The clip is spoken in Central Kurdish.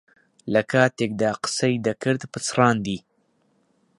لەکاتێکدا قسەی دەکرد پچڕاندی.